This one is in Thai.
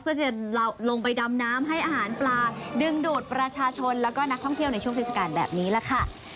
เพื่อจะลงไปดำน้ำให้อาหารปลาดึงดูดประชาชนแล้วก็นักท่องเที่ยวในช่วงเทศกาลแบบนี้ล่ะค่ะ